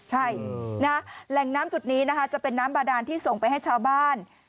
ใช่นะแหล่งน้ำจุดนี้นะคะจะเป็นน้ำบาดานที่ส่งไปให้ชาวบ้าน